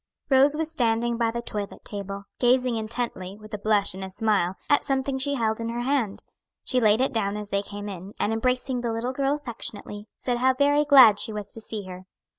Rose was standing by the toilet table, gazing intently, with a blush and a smile, at something she held in her hand. She laid it down as they came in, and embracing the little girl affectionately, said how very glad she was to see her.